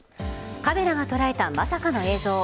カメラが捉えたまさかの映像。